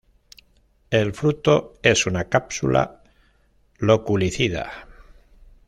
El fruto es una cápsula loculicida.